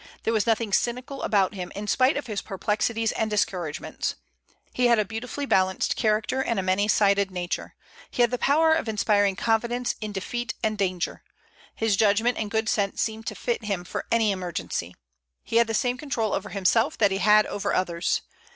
There was nothing cynical about him, in spite of his perplexities and discouragements. He had a beautifully balanced character and a many sided nature. He had the power of inspiring confidence in defeat and danger. His judgment and good sense seemed to fit him for any emergency. He had the same control over himself that he had over others.